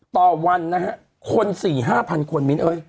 ต่อวันนะฮะคนสี่ห้าพันคนมิ้นเอ้ย